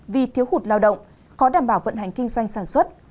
vì thiếu hụt lao động có đảm bảo vận hành kinh doanh sản xuất